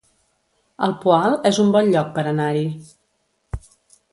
El Poal es un bon lloc per anar-hi